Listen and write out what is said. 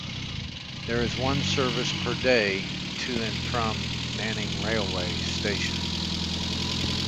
There is one service per day to and from Nanning railway station.